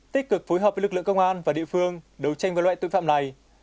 tích cực phối hợp với lực lượng công an và địa phương đấu tranh với loại tội phạm này